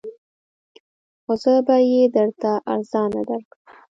خو زه به یې درته ارزانه درکړم